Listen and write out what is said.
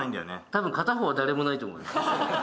多分片方は誰もないと思うよ。